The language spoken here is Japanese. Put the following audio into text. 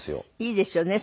いいですよね。